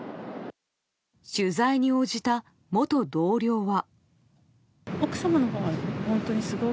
取材に応じた元同僚は。